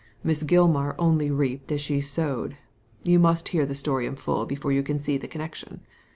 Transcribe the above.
Miss Gilmar only reaped as she sowed You must hear the story in full before you can see the connection.